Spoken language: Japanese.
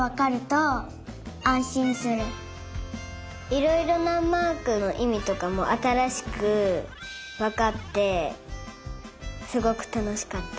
いろいろなマークのいみとかもあたらしくわかってすごくたのしかった。